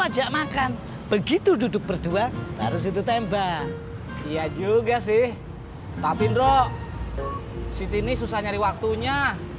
sampai jumpa di video selanjutnya